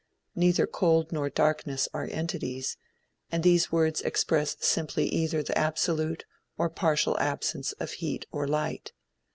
Neither cold nor darkness are entities, and these words express simply either the absolute or partial absence of heat or light.